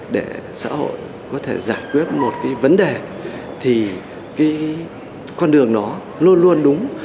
để xã hội có thể giải quyết một cái vấn đề thì cái con đường đó luôn luôn đúng